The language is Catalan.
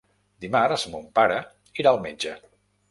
Dimarts mon pare irà al metge.